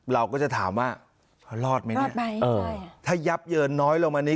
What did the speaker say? เราก็จะถามว่าพอรอดไหมเนี่ยถ้ายับเยินน้อยลงมานี้